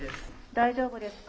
大丈夫ですか。